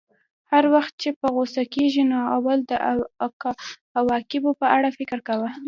هر وخت چې په غوسه کېږې نو اول د عواقبو په اړه فکر کوه.